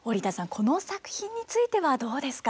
この作品についてはどうですか？